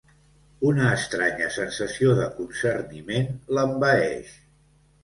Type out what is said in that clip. Una estranya sensació de concerniment l'envaeix.